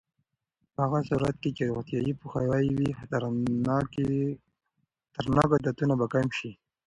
په هغه صورت کې چې روغتیایي پوهاوی وي، خطرناک عادتونه به کم شي.